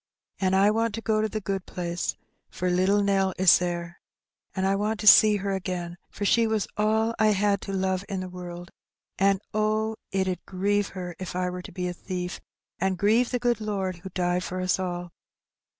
An' I want to go to the good place, for little Nell is there; an' I want to see her again, for she was all I had to love in the world, an' oh! it 'ud grieve her so if I were to be a thief, an' grieve the good Lord who died for us all.